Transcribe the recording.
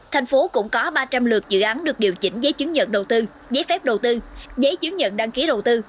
thành phố cũng có ba trăm linh lượt dự án được điều chỉnh giấy chứng nhận đầu tư giấy phép đầu tư giấy chứng nhận đăng ký đầu tư